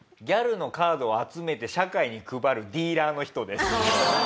ギャルのカードを集めて社会に配るディーラーの人です。